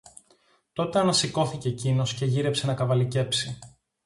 Τότε ανασηκώθηκε κείνος, και γύρεψε να καβαλικέψει